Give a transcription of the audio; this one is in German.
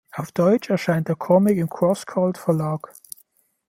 Auf Deutsch erscheint der Comic im Cross Cult Verlag.